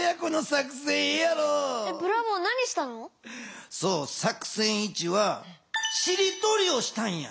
作戦１は「しりとり」をしたんや。